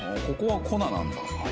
ここは粉なんだ。